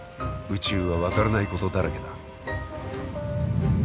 宇宙は分からないことだらけだ。